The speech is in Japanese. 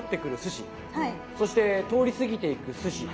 そして通りすぎていくすし。